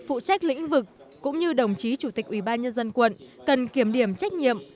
phụ trách lĩnh vực cũng như đồng chí chủ tịch ubnd tp cần kiểm điểm trách nhiệm